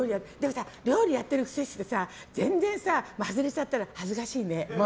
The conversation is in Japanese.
料理やっているくせしてさ全然外れちゃったら恥ずかしいね。